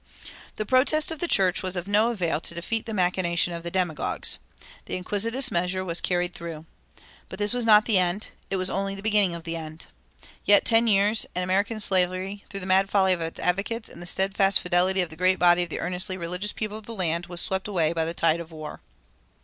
The protest of the church was of no avail to defeat the machination of demagogues. The iniquitous measure was carried through. But this was not the end; it was only the beginning of the end. Yet ten years, and American slavery, through the mad folly of its advocates and the steadfast fidelity of the great body of the earnestly religious people of the land, was swept away by the tide of war.